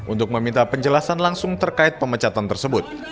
untuk meminta penjelasan langsung terkait pemecatan tersebut